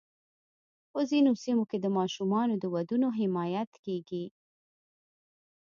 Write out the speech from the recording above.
په ځینو سیمو کې د ماشومانو د ودونو حمایت کېږي.